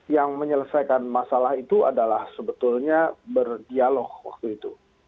yang menyelesaikan masalah itu adalah sebetulnya berdialog waktu itu